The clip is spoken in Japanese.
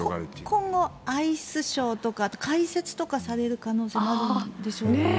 今後アイスショーとか解説とかされる可能性はあるんでしょうね。